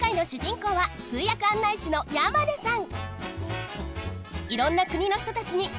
こうは通訳案内士の山根さん